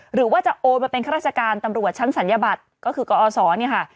หรือว่าจะโอนมาเป็นข้าราชการตำรวจชั้นศัลยบัตรก็คือกอศเนี่ยค่ะ